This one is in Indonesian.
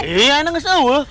iya enak gak tau